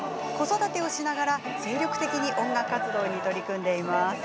子育てをしながら精力的に音楽活動に取り組んでいます。